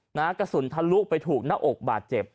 หลักกระสุนทะลุกไปถูกณอกบาดเจ็บ